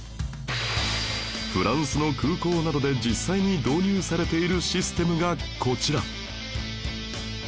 フランスの空港などで実際に導入されているシステムがこちら